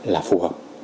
là phù hợp